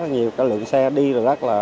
nhiều cái lượng xe đi rồi rất là